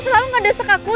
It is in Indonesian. selalu ngedesek aku